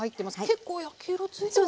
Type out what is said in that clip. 結構焼き色ついてますよ。